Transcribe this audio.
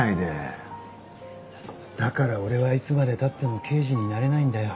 だから俺はいつまで経っても刑事になれないんだよ。